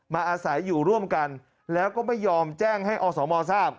อาศัยอยู่ร่วมกันแล้วก็ไม่ยอมแจ้งให้อสมทราบ